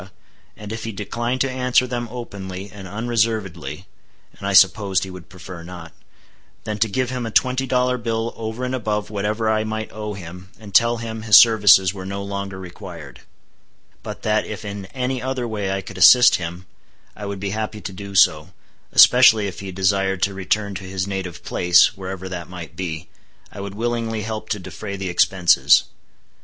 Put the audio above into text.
and if he declined to answer them openly and unreservedly (and I supposed he would prefer not), then to give him a twenty dollar bill over and above whatever I might owe him, and tell him his services were no longer required; but that if in any other way I could assist him, I would be happy to do so, especially if he desired to return to his native place, wherever that might be, I would willingly help to defray the expenses.